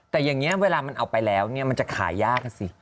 แต่อย่างนี้เวลามันเอาไปแล้วเนี่ยมันจะขายยากอ่ะสิ